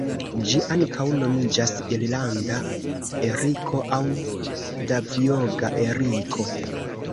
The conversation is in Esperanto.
Ĝi ankaŭ nomiĝas irlanda eriko aŭ Davjoga eriko.